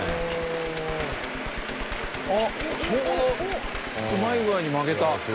あっちょうどうまい具合に曲げた。